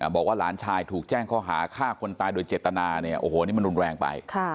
บอกว่าหลานชายถูกแจ้งข้อหาฆ่าคนตายโดยเจตนาเนี่ยโอ้โหนี่มันรุนแรงไป